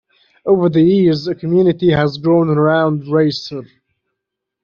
Over the years, a community has grown around Racer.